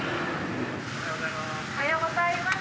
おはようございます。